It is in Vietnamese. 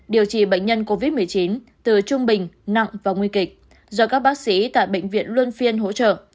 điều trị bệnh nhân covid một mươi chín từ trung bình nặng và nguy kịch do các bác sĩ tại bệnh viện luân phiên hỗ trợ